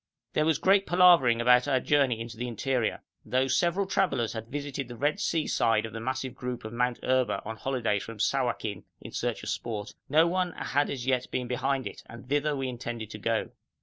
There was great palavering about our journey into the interior. Though several travellers had visited the Red Sea side of the massive group of Mount Erba on holidays from Sawakin in search of sport, no one had as yet been behind it, and thither we intended to go.